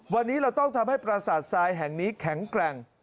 วันนี้เราต้องทำให้ประสาททรายแห่งนี้แข็งแกร่ง